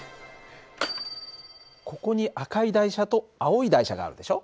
ここに赤い台車と青い台車があるでしょ。